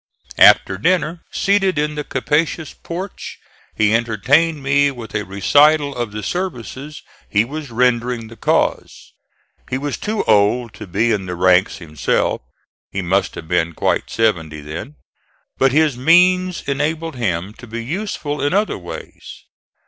After dinner, seated in the capacious porch, he entertained me with a recital of the services he was rendering the cause. He was too old to be in the ranks himself he must have been quite seventy then but his means enabled him to be useful in other ways.